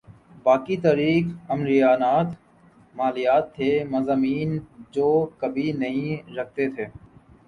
باقی تاریخ عمرانیات مالیات تھے مضامین جو وہ کبھی نہیں رکھتے تھے